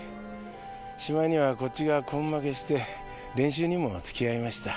しまいにはこっちが根負けして練習にも付き合いました。